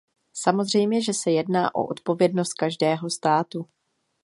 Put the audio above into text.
Samozřejmě, že se jedná o odpovědnost každého státu.